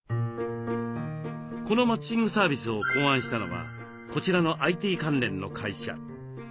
このマッチングサービスを考案したのはこちらのＩＴ関連の会社。